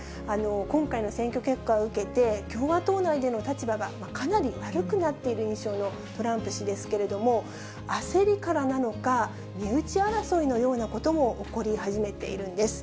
今回の選挙結果を受けて、共和党内での立場がかなり悪くなっている印象のトランプ氏ですけれども、焦りからなのか、身内争いのようなことも起こり始めているんです。